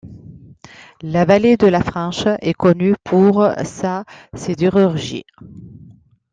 La vallée de la Fensch est connue pour sa sidérurgie.